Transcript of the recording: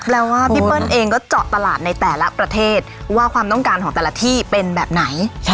ว่าพี่เปิ้ลเองก็เจาะตลาดในแต่ละประเทศว่าความต้องการของแต่ละที่เป็นแบบไหน